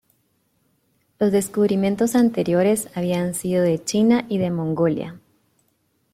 Los descubrimientos anteriores habían sido de China y de Mongolia.